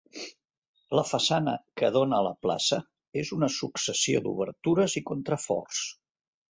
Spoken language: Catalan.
La façana que dóna a la plaça és una successió d'obertures i contraforts.